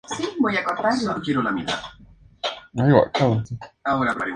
El hombre primitivo comienza un proceso paulatino de sedentarización obligado por el cultivo.